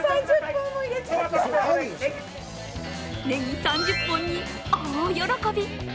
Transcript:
ねぎ３０本に大喜び。